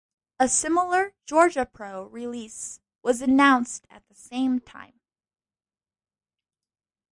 A similar Georgia Pro release was announced at the same time.